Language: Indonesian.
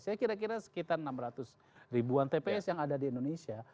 saya kira kira sekitar enam ratus ribuan tps yang ada di indonesia